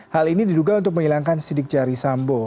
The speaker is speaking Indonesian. hal ini diduga untuk menghilangkan sidik jari sambo